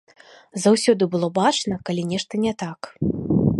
Заўсёды было бачна, калі нешта не так.